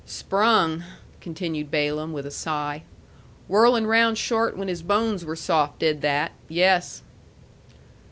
"Sprung," continued Balaam, with a sigh. "Whirling round short when his bones were soft did that. Yes."